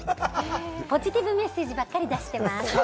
ポジティブメッセージばっかり出してます。